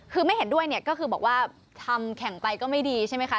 คือไม่เห็นด้วยเนี่ยก็คือบอกว่าทำแข่งไปก็ไม่ดีใช่ไหมคะ